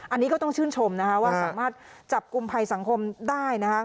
อันนี้ก็ต้องชื่นชมนะคะว่าสามารถจับกลุ่มภัยสังคมได้นะคะ